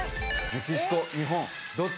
メキシコ日本どっち？